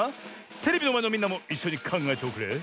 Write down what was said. テレビのまえのみんなもいっしょにかんがえておくれ。